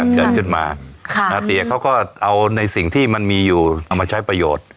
เกิดขึ้นมาเตี๋ยเขาก็เอาในสิ่งที่มันมีอยู่เอามาใช้ประโยชน์